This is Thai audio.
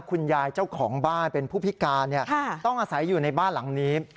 คุณยายเจ้าของบ้านเป็นผู้พิการต้องอาศัยอยู่ในบ้านหลังนี้